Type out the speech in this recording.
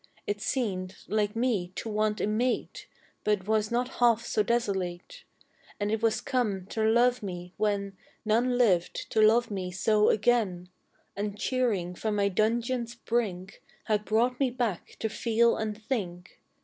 It seemed, like me, to want a mate, But was not half so desolate, And it was come to love me when None lived to love me so again, And cheering from my dungeon's brink, Had brought me back to feel and think.